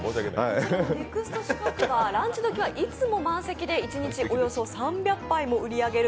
ネクストシカクはランチ時にはいつも満席で一日およそ３００杯も売り上げる